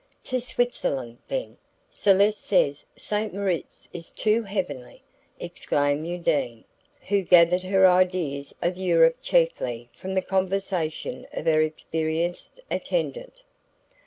"To Switzerland, then? Celeste says St. Moritz is too heavenly," exclaimed Undine, who gathered her ideas of Europe chiefly from the conversation of her experienced attendant.